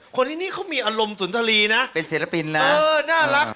คนที่นี่เขามีอารมณ์สุนทรีนะเป็นศิลปินนะเออน่ารัก